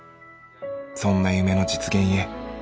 そんな夢の実現へ。